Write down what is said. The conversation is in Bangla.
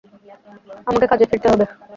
আমাকে কাজে ফিরতে হবে।